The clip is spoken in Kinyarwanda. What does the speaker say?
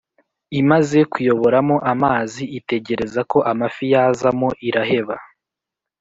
Imaze kuyoboramo amazi, itegereza ko amafi yazamo, iraheba